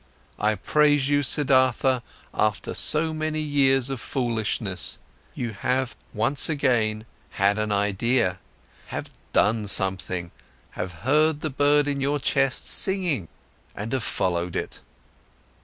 I praise you, Siddhartha, after so many years of foolishness, you have once again had an idea, have done something, have heard the bird in your chest singing and have followed it!